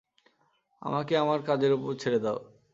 আমাকে আমার কাজের উপর ছেড়ে দাও।